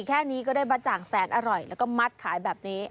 แค่นี้ก็ได้บะจ่างแสนอร่อยแล้วก็มัดขายแบบนี้